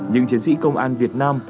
những chiến sĩ công an việt nam